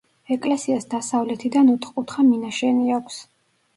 ეკლესიას დასავლეთიდან ოთხკუთხა მინაშენი აქვს.